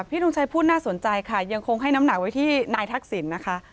ทงชัยพูดน่าสนใจค่ะยังคงให้น้ำหนักไว้ที่นายทักษิณนะคะ